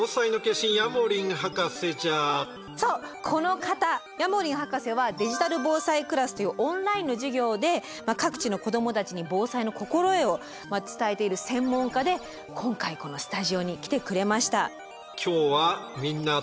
そうこの方ヤモリン博士はデジタル防災クラスというオンラインの授業で各地の子どもたちに防災の心得を伝えている専門家で今回このスタジオに来てくれました。